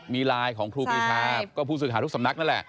มีไลน์ของครูปีชาก็ผู้สื่อข่าวทุกสำนักนั่นแหละ